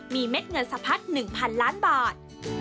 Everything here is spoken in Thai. มีเม็ดเงินสะพัด๑พันล้านบอร์ด